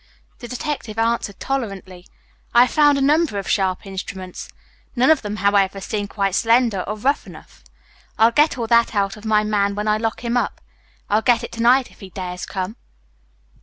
The detective answered tolerantly: "I have found a number of sharp instruments. None of them, however, seems quite slender or round enough. I'll get all that out of my man when I lock him up. I'll get it to night if he dares come."